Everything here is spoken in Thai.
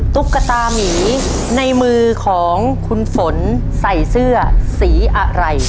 ตุ๊กตามีในมือของคุณฝนใส่เสื้อสีอะไร